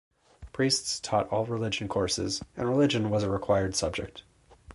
Priests taught all religion courses, and religion was a required subject.